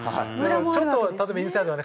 ちょっと例えばインサイドがね